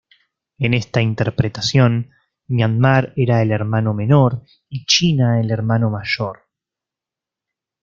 En esa interpretación, Myanmar era el "hermano menor" y China el "hermano mayor".